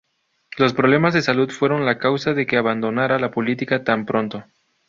Los problemas de salud fueron la causa de que abandonara la política tan pronto.